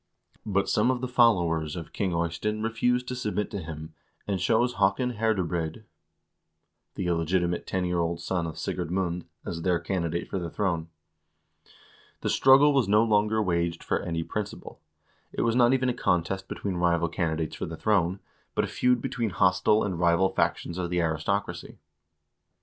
But some of the followers of King Eystein refused to submit to him, and chose Haakon Herde breid, the illegitimate ten year old son of Sigurd Mund, as their candidate for the throne.1 The struggle was no longer waged for any principle. It was not even a contest between rival candidates for the throne, but a feud between hostile and rival factions of the aristocracy.